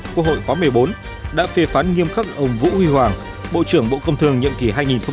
quốc hội khóa một mươi bốn đã phê phán nghiêm khắc ông vũ huy hoàng bộ trưởng bộ công thường nhiệm kỳ hai nghìn một mươi sáu hai nghìn hai mươi một